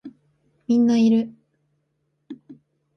みんないる